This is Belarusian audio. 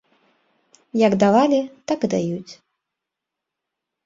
Як давалі, так і даюць.